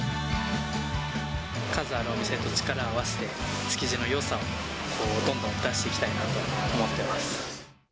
数あるお店と力を合わせて、築地のよさをどんどん出していきたいなと思ってます。